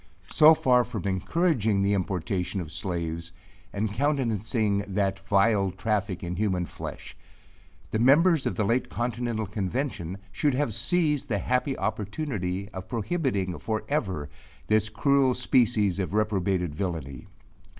So far from encouraging the importation of slaves, and countenancing that vile traffic in human flesh; the members of the late continental convention2 should have seized the happy opportunity of prohibiting for ever this cruel species of reprobated villainy.